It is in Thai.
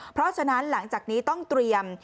เพราะฉะนั้นหลังจากนี้ต้องเตรียม